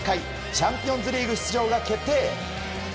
チャンピオンズリーグ出場が決定。